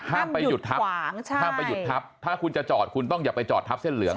ห้ามไปหยุดทับขวางใช่ห้ามไปหยุดทับถ้าคุณจะจอดคุณต้องอย่าไปจอดทับเส้นเหลือง